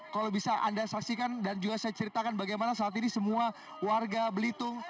kalau bisa anda saksikan dan juga saya ceritakan bagaimana saat ini semua warga belitung